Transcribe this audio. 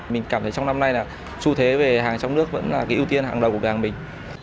mình cảm thấy trong năm nay là xu thế về hàng trong nước vẫn là cái ưu tiên hàng đầu của hàng mình